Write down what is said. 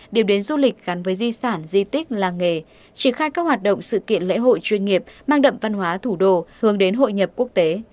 điểm đến du lịch gắn với di sản di tích làng nghề triển khai các hoạt động sự kiện lễ hội chuyên nghiệp mang đậm văn hóa thủ đô hướng đến hội nhập quốc tế